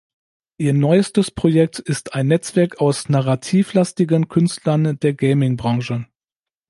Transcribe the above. Ihr neuestes Projekt ist ein Netzwerk aus Narrativ-lastigen Künstlern der Gaming-Branche.